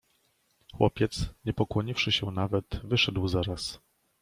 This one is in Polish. "Chłopiec, nie pokłoniwszy się nawet, wyszedł zaraz."